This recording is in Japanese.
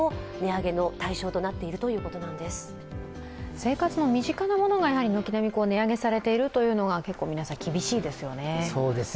生活の身近なものが軒並み値上げされているというのが皆さん、厳しいですよね。